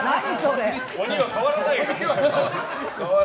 鬼は変わらないんだ。